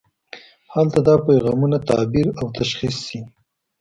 هلته دا پیغامونه تعبیر او تشخیص شي.